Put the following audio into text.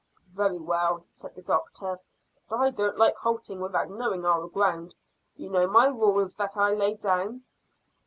"Very well," said the doctor, "but I don't like halting without knowing our ground. You know my rules that I laid down."